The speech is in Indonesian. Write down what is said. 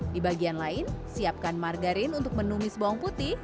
di bagian lain siapkan margarin untuk menumis bawang putih